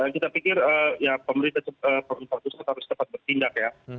kita pikir ya pemerintah pusat harus cepat bertindak ya